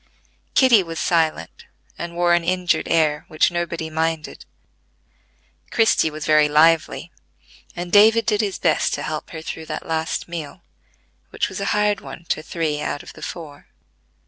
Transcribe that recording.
Kitty was silent, and wore an injured air which nobody minded; Christie was very lively; and David did his best to help her through that last meal, which was a hard one to three out of the four.